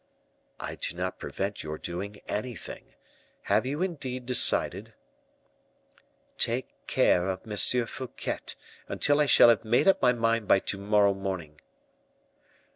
"I do not prevent your doing anything. Have you indeed decided?" "Take care of M. Fouquet, until I shall have made up my mind by to morrow morning."